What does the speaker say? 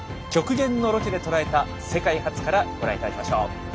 極限のロケでとらえた世界初からご覧いただきましょう。